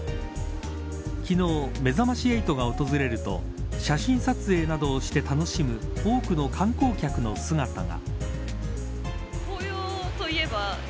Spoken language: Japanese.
昨日、めざまし８が訪れると写真撮影などをして楽しむ多くの観光客の姿が。